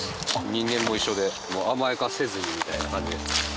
人間も一緒で甘やかさずにみたいな感じです。